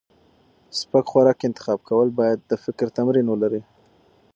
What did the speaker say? سپک خوراک انتخاب کول باید د فکر تمرین ولري.